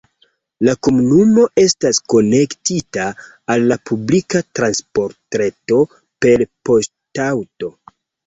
La komunumo estas konektita al la publika transportreto per poŝtaŭto.